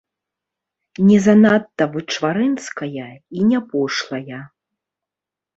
Не занадта вычварэнская і не пошлая.